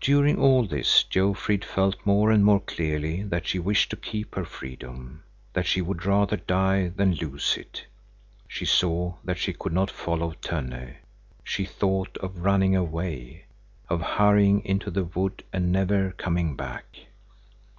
During all this Jofrid felt more and more clearly that she wished to keep her freedom, that she would rather die than lose it. She saw that she could not follow Tönne. She thought of running away, of hurrying into the wood and never coming back.